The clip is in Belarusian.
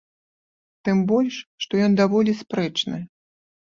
Тым больш што ён даволі спрэчны.